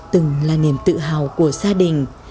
từng là niềm tự hào của gia đình